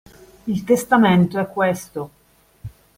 Il testamento è questo!